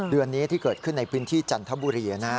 เดือนนี้ที่เกิดขึ้นในพื้นที่จันทบุรี